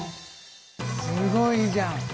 すごいじゃん。